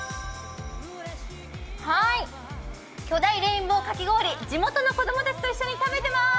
はーい、巨大レインボーかき氷、地本の子供たちと一緒に食べてます！